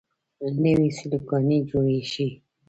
نوې سیلوګانې جوړې شي.